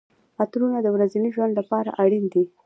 عطرونه د ورځني ژوند لپاره اړین دي.